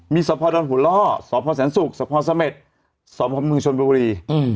มีสอพอร์ดอนหุร่อสอพอร์แสนสุกสอพอร์สะเม็ดสอพอร์เมืองชนบุรี